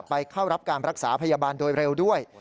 เข้ารับการรักษาพยาบาลโดยเร็วด้วย